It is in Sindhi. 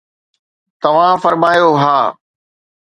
توهان فرمايو: ها